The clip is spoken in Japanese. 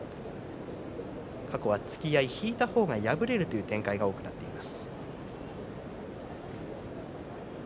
過去は突き合い引いた方が敗れるという展開が多くなっています。